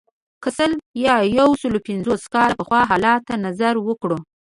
که سل یا یو سلو پنځوس کاله پخوا حالت ته نظر وکړو.